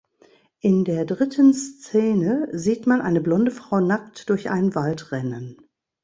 In der dritten Szene sieht man eine blonde Frau nackt durch einen Wald rennen.